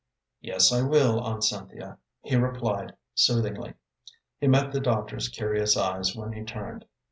"Yes, I will, Aunt Cynthia," he replied, soothingly. He met the doctor's curious eyes when he turned.